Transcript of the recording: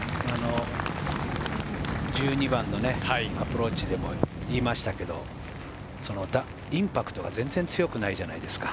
１２番のアプローチでも言いましたけど、インパクトが全然強くないじゃないですか。